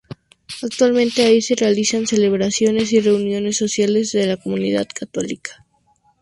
Actualmente ahí se realizan celebraciones y reuniones sociales de la comunidad católica.